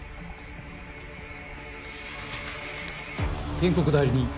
原告代理人。